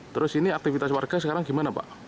terus ini aktivitas warga sekarang gimana pak